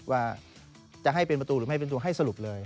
ว่าจะให้เป็นประตูหรือไม่เป็นตัวให้สรุปเลย